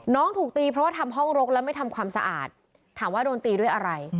ถูกตีเพราะว่าทำห้องรกแล้วไม่ทำความสะอาดถามว่าโดนตีด้วยอะไร